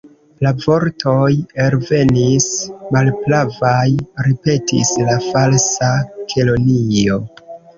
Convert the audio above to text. "La vortoj elvenis malpravaj," ripetis la Falsa Kelonio.